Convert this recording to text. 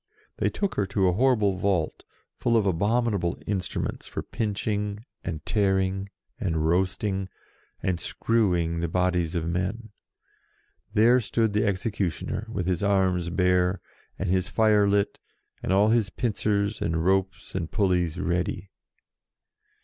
They took her to a horrible vault, full of abominable instruments for pinching, and tearing, and roasting, and screwing the bodies of men. There stood the execu tioner, with his arms bare, and his fire lit, and all his pincers, and ropes, and pulleys ready.